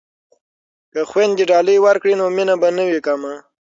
که خویندې ډالۍ ورکړي نو مینه به نه وي کمه.